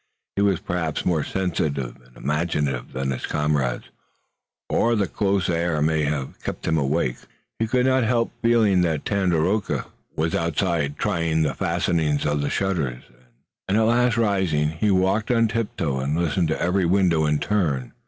He was perhaps more sensitive and imaginative than his comrades, or the close air may have kept him awake. He could not help feeling that Tandakora was outside trying the fastenings of the shutters, and at last rising, he walked on tiptoe and listened at every window in turn.